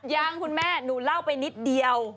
ยังคุณแม่หนูเล่าไปนิดเดียว